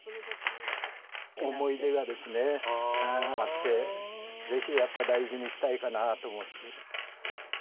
思い出があって、ぜひ、やっぱ大事にしたいかなと思って。